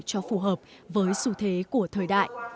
cho phù hợp với xu thế của thời đại